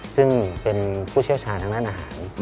ซึ่งเป็นผู้เชี่ยวชาญทางด้านอาหาร